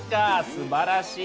すばらしい。